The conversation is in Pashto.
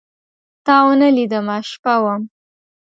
تاونه لیدمه، شپه وم